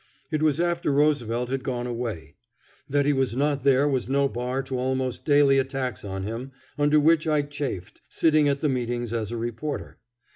It was after Roosevelt had gone away. That he was not there was no bar to almost daily attacks on him, under which I chafed, sitting at the meetings as a reporter.